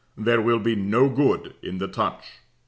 There will be no good in the touch.